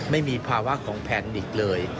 ไม่มีภาวะของแพนิกเลย